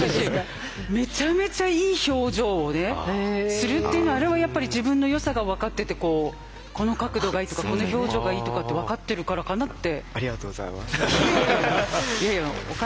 めちゃめちゃいい表情をねするっていうのはあれはやっぱり自分のよさが分かっててこうこの角度がいいとかこの表情がいいとかって分かってるからかなって。